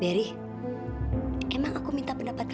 barry emang aku minta pendapat kamu